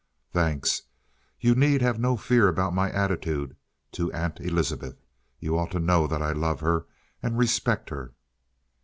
"Thanks. You need have no fear about my attitude to Aunt Elizabeth. You ought to know that I love her, and respect her."